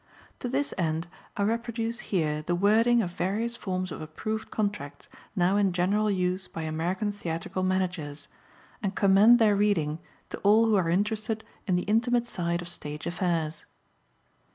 To this end, I reproduce here the wording of various forms of approved contracts now in general use by American Theatrical managers, and commend their reading to all who are interested in the intimate side of stage affairs.